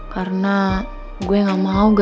karena gue gak mau gara gara gue papa kumat lagi penyakitnya